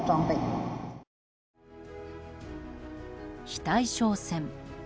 非対称戦。